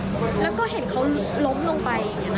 แล้วก็เห็นเขาล้มลงไป